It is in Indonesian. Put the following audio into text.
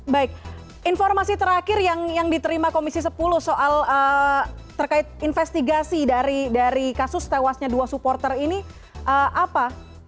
baik informasi terakhir yang diterima komisi sepuluh soal terkait investigasi dari kasus tewasnya dua supporter ini apa